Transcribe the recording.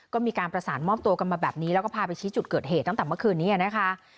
ก็มีการประสานมอบตัวกันมาแบบนี้แล้วก็พาไปชี้จุดเกิดเหตุตั้งแต่เมื่อคืนนี้นะคะ